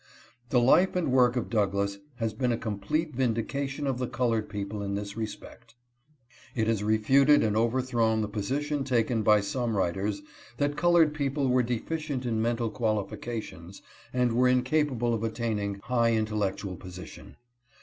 The life and work of Douglass has been a complete vindication of the colored people in this respect. It has refuted and over thrown the position taken by some writers, that colored people were deficient in mental qualifications and were incapable of attain ing high intellectual position.